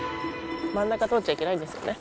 真ん中通っちゃいけないんですよね